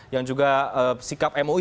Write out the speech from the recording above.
yang juga sikap mui